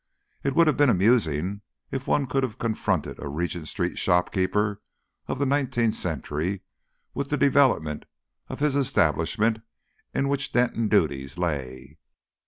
It would have been amusing if one could have confronted a Regent Street shopkeeper of the nineteenth century with the development of his establishment in which Denton's duties lay.